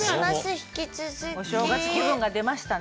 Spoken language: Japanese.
引き続き。お正月気分が出ましたね。